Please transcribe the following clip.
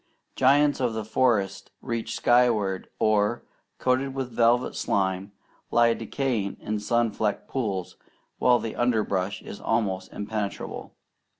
Giants of the forest reach skyward, or, coated with velvet slime, lie decaying in sun flecked pools, while the underbrush is almost impenetrable.